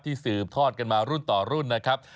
สืบทอดกันมารุ่นต่อรุ่นนะครับ